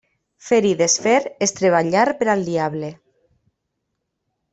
Fer i desfer és treballar per al diable.